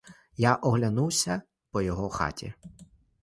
Я оглянувся по його хаті.